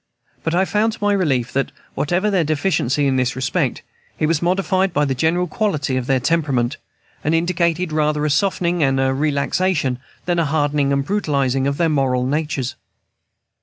But I found to my relief that, whatever their deficiency in this respect, it was modified by the general quality of their temperament, and indicated rather a softening and relaxation than a hardening and brutalizing of their moral natures.